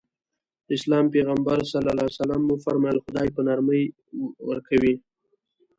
د اسلام پيغمبر ص وفرمايل خدای په نرمي ورکوي.